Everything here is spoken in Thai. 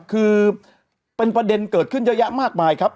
คือเป็นประเด็นเกิดขึ้นเยอะแยะมากมายครับ